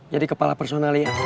jadi kepala personal ya